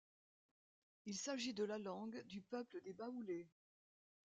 Il s'agit de la langue du peuple des Baoulés.